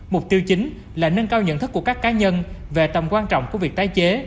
mục tiêu chính là nâng cao nhận thức của các cá nhân về tầm quan trọng của việc tái chế